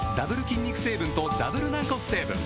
筋肉成分とダブル軟骨成分